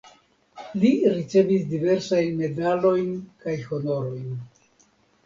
Li ricevis diversajn medalojn kaj honorojn.